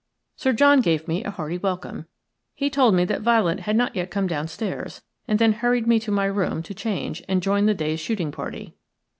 Sir John gave me a hearty welcome; he told me that Violet had not yet come downstairs, and then hurried me to my room to change and join the day's shooting party.